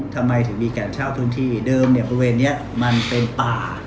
ทำไมถึงมีการเช่าพื้นที่เดิมเนี่ยบริเวณนี้มันเป็นป่า